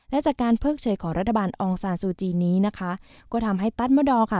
และจากการเพิกเฉยของรัฐบาลอองซานซูจีนนี้นะคะก็ทำให้ตัสมดอร์ค่ะ